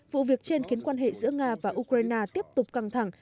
vụ việc trên khiến quan hệ giữa nga và ukraine tiếp tục căng thẳng